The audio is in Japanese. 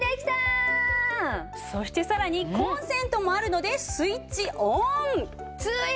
そしてさらにコンセントもあるのでスイッチオン！